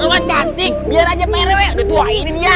lu kan cantik biar aja pak rw dituaiin ini ya